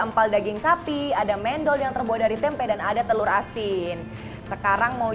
empal daging sapi ada mendol yang terbuat dari tempe dan ada telur asin sekarang mau